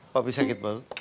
papi sakit baru